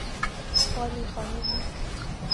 اور میخانے بھی۔